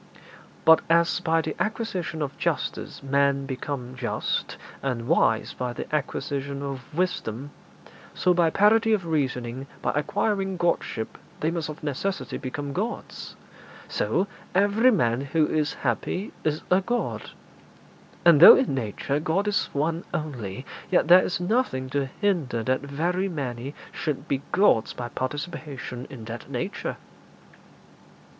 But as by the acquisition of justice men become just, and wise by the acquisition of wisdom, so by parity of reasoning by acquiring Godship they must of necessity become gods. So every man who is happy is a god; and though in nature God is One only, yet there is nothing to hinder that very many should be gods by participation in that nature.'